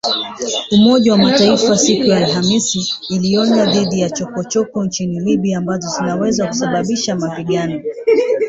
Umoja wa Mataifa siku ya Alhamisi ilionya dhidi ya “chokochoko” nchini Libya ambazo zinaweza kusababisha mapigano